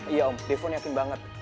iya om stephon yakin banget